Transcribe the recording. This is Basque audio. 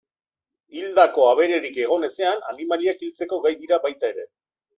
Hildako abererik egon ezean, animaliak hiltzeko gai dira baita ere.